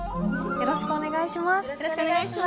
よろしくお願いします。